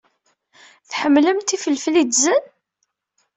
Tḥemmlemt ifelfel yedzen?